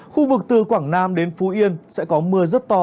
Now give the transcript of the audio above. khu vực từ quảng nam đến phú yên sẽ có mưa rất to